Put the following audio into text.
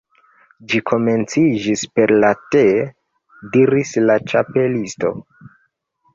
"Ĝi komenciĝis per la Te" diris la Ĉapelisto.